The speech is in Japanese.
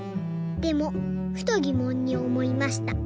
でもふとぎもんにおもいました。